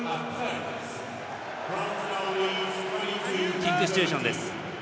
キックシチュエーション。